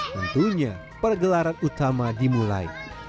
tentunya pergelaran utama dimulai